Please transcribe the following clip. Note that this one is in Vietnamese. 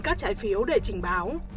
các trái phiếu để trình báo